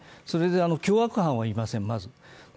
それで凶悪犯はいません、まず。